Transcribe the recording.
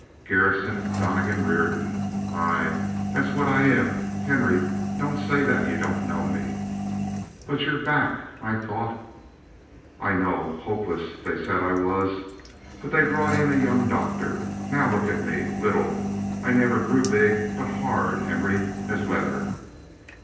"Garrison Donnegan Reardon. Aye, that's what I am. Henry, don't say that you don't know me!" "But your back I thought " "I know hopeless they said I was. But they brought in a young doctor. Now look at me. Little. I never grew big but hard, Henry, as leather!"